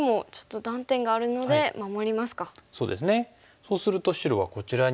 そうすると白はこちらに打って。